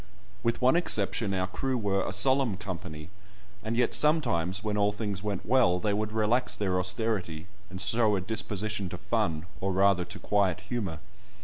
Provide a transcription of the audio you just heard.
With one exception, our crew were "a solemn company," and yet, sometimes, when all things went well, they would relax their austerity, and show a disposition to fun, or rather to quiet humour.